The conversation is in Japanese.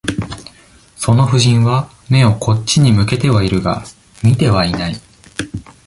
その夫人は、眼をこっちに向けてはいるが、見てはいない。